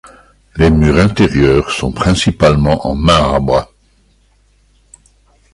Les murs intérieurs sont principalement en marbre.